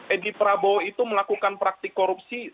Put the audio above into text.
edi prabowo itu melakukan praktik korupsi